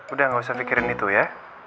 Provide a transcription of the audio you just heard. udah gak usah pikirin itu ya